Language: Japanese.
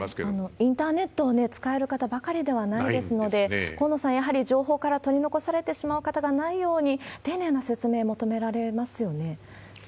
インターネットを使える方ばかりではないですので、河野さん、やはり情報から取り残されてしまう方がないように、丁寧な説明求められますよね。